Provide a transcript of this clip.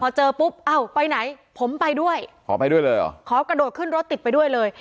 พอเจอปุ๊บอ้าวไปไหนผมไปด้วยขอกดวดขึ้นรถติดไปด้วยเลย